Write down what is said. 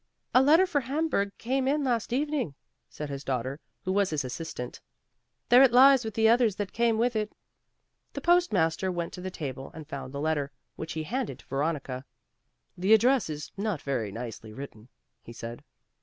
"A letter for Hamburg came in last evening;" said his daughter who was his assistant, "there it lies with the others that came with it." The postmaster went to the table and found the letter, which he handed to Veronica. "The address is not very nicely written," he said.